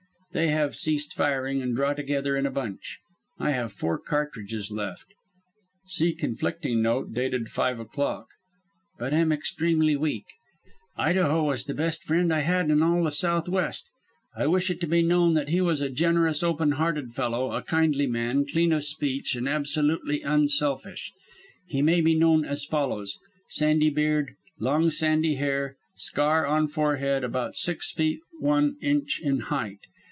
They have ceased firing, and draw together in a bunch. I have four cartridges left" [see conflicting note dated five o'clock], "but am extremely weak. Idaho was the best friend I had in all the Southwest. I wish it to be known that he was a generous, open hearted fellow, a kindly man, clean of speech, and absolutely unselfish. He may be known as follows: Sandy beard, long sandy hair, scar on forehead, about six feet one inch in height.